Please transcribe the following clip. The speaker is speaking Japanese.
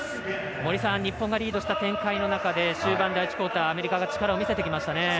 森さん日本がリードした展開の中で終盤第１クオーターがアメリカが力を見せてきました。